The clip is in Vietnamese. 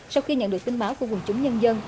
sau khi nhận được tin báo của quần chúng nhân dân